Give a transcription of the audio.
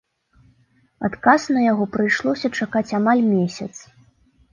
Адказ на яго прыйшлося чакаць амаль месяц.